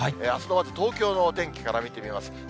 あすのまず東京のお天気から見てみます。